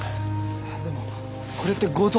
えっでもこれって強盗。